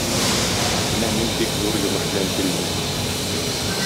Менә мин бик зур йомыш белән килдем.